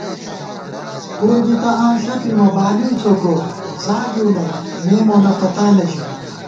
پُر بی تہ آں ݪَپِمہ ، بالِؤ څوکور زاگِؤ نئ، مے مونہ پتانہ ژِؤ